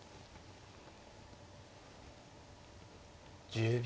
１０秒。